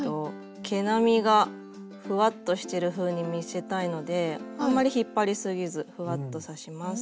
毛並みがふわっとしてるふうに見せたいのであんまり引っ張りすぎずふわっと刺します。